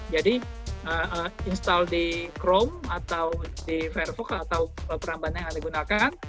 jadi install di chrome atau di firefox atau perambahannya yang digunakan